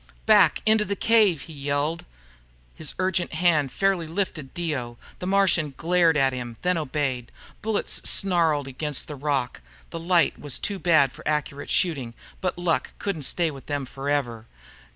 "Back into the cave!" he yelled. His urgent hand fairly lifted Dio. The Martian glared at him, then obeyed. Bullets snarled against the rock. The light was too bad for accurate shooting, but luck couldn't stay with them forever.